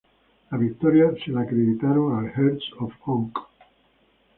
La victoria se la acreditaron al Hearts of Oak.